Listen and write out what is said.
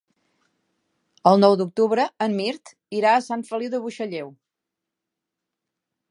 El nou d'octubre en Mirt irà a Sant Feliu de Buixalleu.